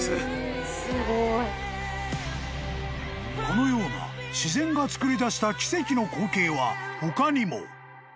［このような自然がつくり出した奇跡の光景は他にも］